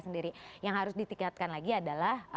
sendiri yang harus ditingkatkan lagi adalah